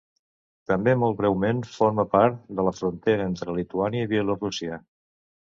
També molt breument forma part de la frontera entre Lituània i Bielorússia.